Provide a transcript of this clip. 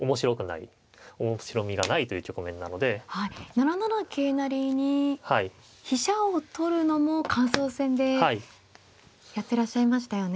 ７七桂成に飛車を取るのも感想戦でやってらっしゃいましたよね。